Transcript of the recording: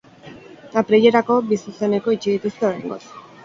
Apirilerako, bi zuzeneko itxi dituzte oraingoz.